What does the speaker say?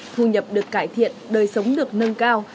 thu nhập được cải thiện đời sống được nâng cao